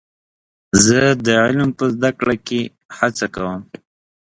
زه د علم په زده کړه کې هڅه کوم.